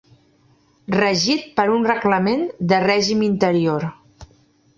Regit per un Reglament de Règim Interior.